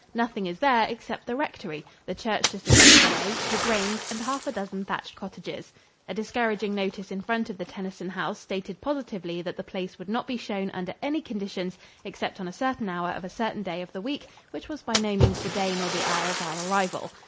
Nothing is there except the rectory, the church just across the way, the grange, and half a dozen thatched cottages. A discouraging notice in front of the Tennyson house stated positively that the place would not be shown under any conditions except on a certain hour of a certain day of the week which was by no means the day nor the hour of our arrival.